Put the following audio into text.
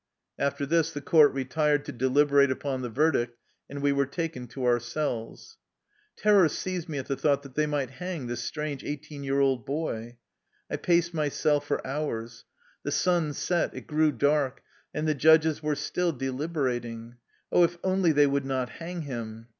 '' After this the court retired to deliberate upon the verdict, and we were taken to our cells. Terror seized me at the thought that they might hang this strange eighteen year old boy. I paced my cell for hours. The sun set, it grew dark, and the judges were still deliberating. Oh, if only they would not hang him